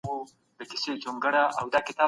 د ریاض او کابل ترمنځ سوداګریزه کچه څنګه لوړېدای سي؟